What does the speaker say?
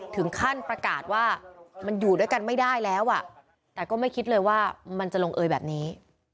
ถึงขั้นประกาศว่ามันอยู่ด้วยกันไม่ได้แล้วแต่ก็ไม่คิดเลยว่ามันจะลงเอยแบบนี้